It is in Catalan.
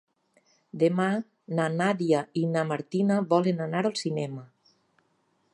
Demà na Nàdia i na Martina volen anar al cinema.